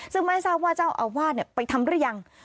ซึ่งไม่ทราบว่าเจ้าอาวาสไปทำหรือยัง